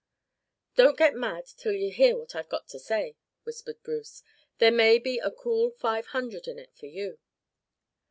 "Don't get mad till you hear what I've got to say," whispered Bruce. "There may be a cool five hundred in it for you."